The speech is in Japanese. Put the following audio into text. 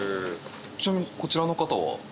ちなみにこちらの方は？